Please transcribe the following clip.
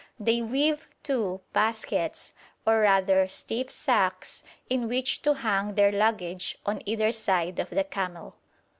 They weave, too, baskets, or, rather, stiff sacks, in which to hang their luggage on either side of the camel.